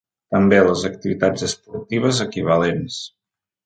També les activitats esportives equivalents.